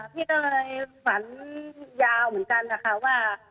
พี่ก็เลยฝันยาวเหมือนกันนะคะว่า